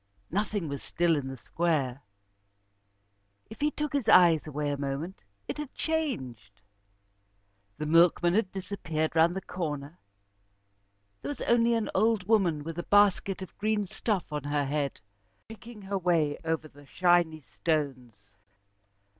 Nothing was still in the square. If he took his eyes away a moment it had changed. The milkman had disappeared round the corner, there was only an old woman with a basket of green stuff on her head, picking her way over the shiny stones.